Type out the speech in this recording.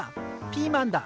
ピーマンだ。